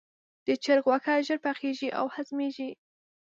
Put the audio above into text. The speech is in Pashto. د چرګ غوښه ژر پخیږي او هضمېږي.